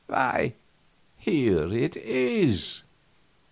Why, here it is!"